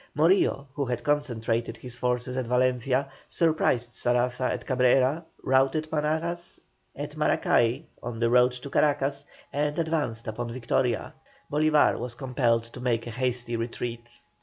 Morillo, who had concentrated his forces at Valencia, surprised Saraza at Cabrera, routed Monagas at Maracay on the road to Caracas, and advanced upon Victoria. Bolívar was compelled to make a hasty retreat.